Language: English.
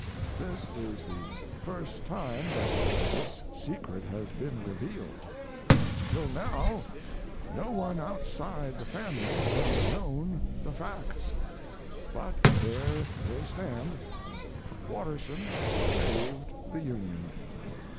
This is the first time that this secret has been revealed. Until now no one outside the family has known the facts. But there they stand: Watterson saved the Union.